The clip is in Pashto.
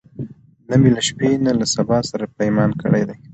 نه می له شپې نه له سبا سره پیمان کړی دی